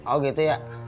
oh gitu ya